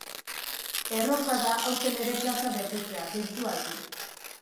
Erronka da aurten ere plaza betetzea, birtualki.